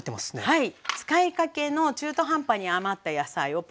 はい。